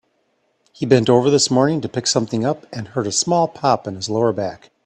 He bent over this morning to pick something up and heard a small pop in his lower back.